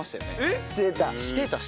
してた。